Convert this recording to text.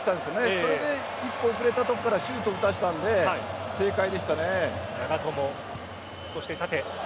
それで一歩遅れたところからシュートを打たせたので正解でした。